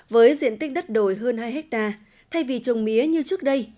với diện tích đất đồi hơn hai hectare thay vì trồng mía như trước đây